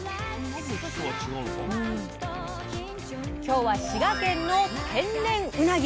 今日は滋賀県の天然うなぎ。